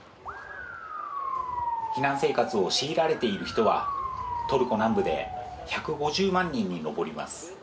避難生活を強いられている人はトルコ南部で１５０万人に上ります。